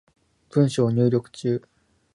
文章入力中